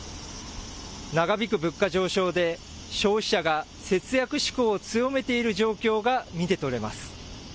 長引く物価上昇で消費者が節約志向を強めている状況が見て取れます。